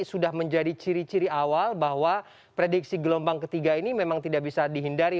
sudah menjadi ciri ciri awal bahwa prediksi gelombang ketiga ini memang tidak bisa dihindari